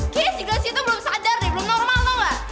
kim si glesio tuh belum sadar deh belum normal tau gak